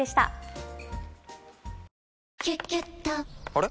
あれ？